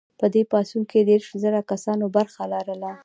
په دې پاڅون کې دیرش زره کسانو برخه لرله.